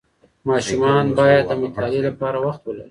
ماشومان باید د مطالعې لپاره وخت ولري.